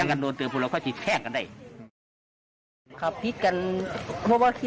อยากสิบอกพี่ไช่ว่าอย่างไหน